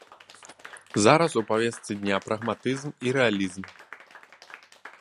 Зараз у павестцы дня прагматызм і рэалізм.